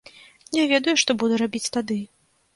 Не ведаю, што буду рабіць тады.